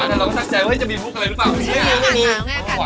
เราก็สังใจว่าจะมีพวกอะไรหรือเปล่า